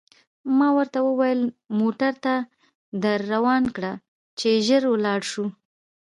ما ورته وویل: موټر ته در روان کړه، چې ژر ولاړ شو.